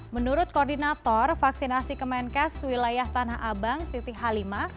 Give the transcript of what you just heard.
menurut koordinator vaksinasi kemenkes wilayah tanah abang siti halima